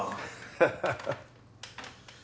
ハハハッ。